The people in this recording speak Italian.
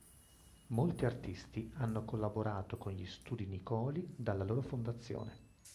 Molti artisti hanno collaborato con gli studi Nicoli dalla loro fondazione.